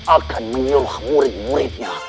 akan menyuruh murid muridnya